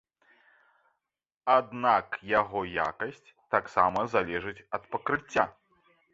Аднак яго якасць таксама залежыць ад пакрыцця.